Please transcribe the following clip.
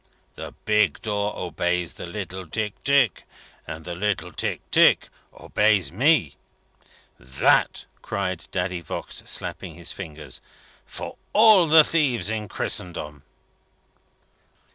The big door obeys the little Tick, Tick, and the little Tick, Tick, obeys me. That!" cried Daddy Voigt, snapping his fingers, "for all the thieves in Christendom!"